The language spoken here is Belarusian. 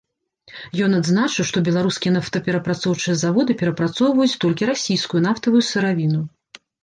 Ён адзначыў, што беларускія нафтаперапрацоўчыя заводы перапрацоўваюць толькі расійскую нафтавую сыравіну.